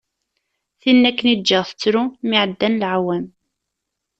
Tinna akken i ğğiɣ tettru, mi ɛeddan laɛwam.